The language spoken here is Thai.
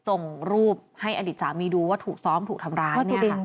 ส่งรูปให้อดีตสามีดูว่าถูกซ้อมถูกทำร้ายเนี่ย